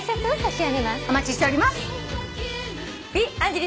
お待ちしております。